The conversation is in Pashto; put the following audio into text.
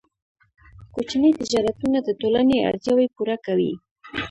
کوچني تجارتونه د ټولنې اړتیاوې پوره کوي.